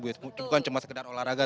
bukan cuma sekedar olahraga